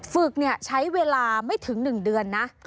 ฝึกใช้เวลาไม่ถึง๑เดือนนะ